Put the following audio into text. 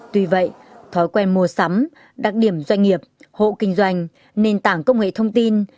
tuy vậy thói quen mua sắm đặc điểm doanh nghiệp hộ kinh doanh nền tảng công nghệ thông tin